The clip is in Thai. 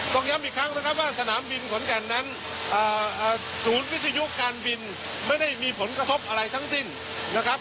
ต้องย้ำอีกครั้งนะครับว่าสนามบินขอนแก่นนั้นศูนย์วิทยุการบินไม่ได้มีผลกระทบอะไรทั้งสิ้นนะครับ